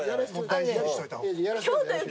大事にしといた方が。